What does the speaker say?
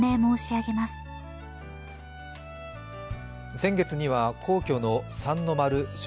先月には皇居の三の丸尚